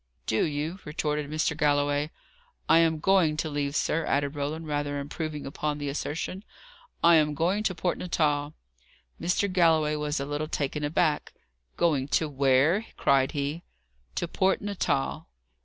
"Do you?" retorted Mr. Galloway. "I am going to leave, sir," added Roland, rather improving upon the assertion. "I am going to Port Natal." Mr. Galloway was a little taken aback. "Going to where?" cried he. "To Port Natal."